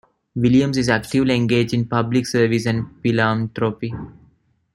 Williams is actively engaged in public service and philanthropy.